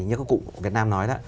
như các cụ việt nam nói